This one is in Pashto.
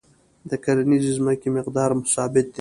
د کرنیزې ځمکې مقدار ثابت دی.